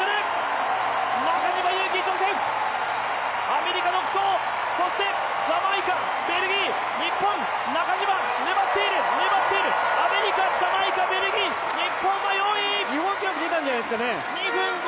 アメリカ独走、そしてジャマイカ、ベルギー、日本、中島、粘っている、粘っている、アメリカ、ジャマイカ、ベルギー、日本は４位！日本記録、出たんじゃないですかね？